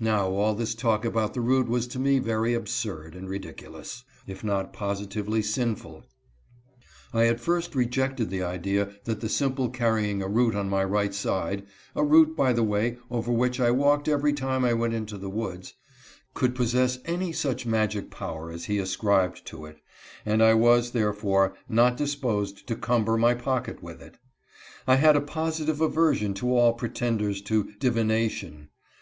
Now all this talk about the root was to me very absurd and ridiculous, if not positively sinful. I at first rejected the idea that the simple carrying a root on my right side HE RETURNS TO COVEY'S. 171 (a root, by the way, over which I walked every time I went into the woods) could possess any such magic power as he ascribed to it, and I was, therefore, not disposed to cumber my pocket with it. I had a positive aversion to all pretenders to "divination."